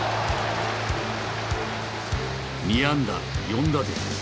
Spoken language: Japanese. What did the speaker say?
２安打４打点。